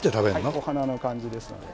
はいお花の感じですので。